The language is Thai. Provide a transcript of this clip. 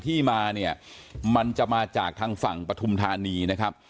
ที่มาเนี่ยมันจะมาจากทางฝั่งปฐุมธานีนะครับ